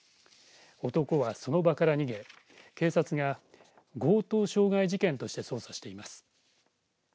男はその場から逃げ警察が強盗傷害事件として捜査しています。